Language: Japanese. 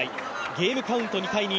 ゲームカウント２−２。